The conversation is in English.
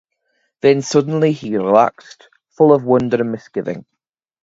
Then suddenly he relaxed, full of wonder and misgiving.